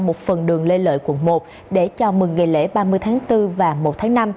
một phần đường lê lợi quận một để chào mừng ngày lễ ba mươi tháng bốn và một tháng năm